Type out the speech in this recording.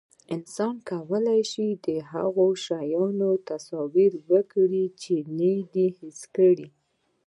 انسان کولی شي، د هغو شیانو تصور وکړي، چې نه یې دي حس کړي.